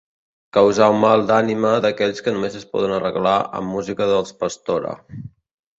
Causar un mal d'ànima d'aquells que només es pot arreglar amb música dels Pastora.